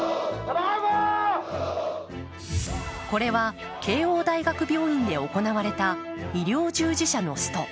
これは慶応大学病院で行われた医療従事者のスト。